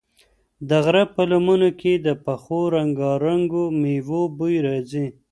د غره په لمنو کې د پخو رنګارنګو مېوو بوی راځي.